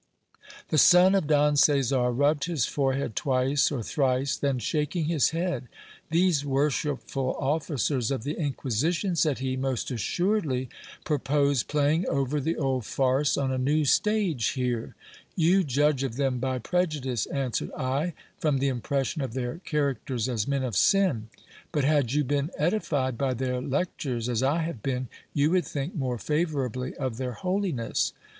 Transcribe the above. The son of Don Caesar rubbed his forehead twice or thrice, then shaking his head, These worshipful officers of the Inquisition, said he, most assuredly pur pose playing over the old farce on a new stage here. You judge of them by prejudice, answered I, from the impression of their characters as men of sin : but had you been edified by their lectures as I have been, you would think more favourably of their holiness.